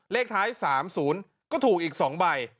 เลขท้าย๓๐ก็ถูกอีก๒ใบ